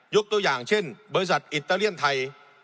ตัวอย่างเช่นบริษัทอิตาเลียนไทย